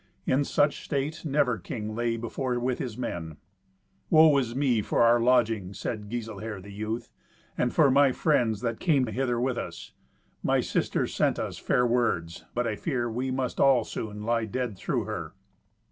In such state never king lay before with his men. "Woe is me for our lodging!" said Giselher the youth, "and for my friends that came hither with us. My sister sent us fair words, but I fear we must all soon lie dead through her."